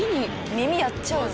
耳やっちゃうよね。